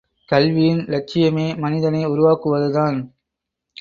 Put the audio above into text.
கல்வியின் இலட்சியமே மனிதனை உருவாக்குவதுதான்!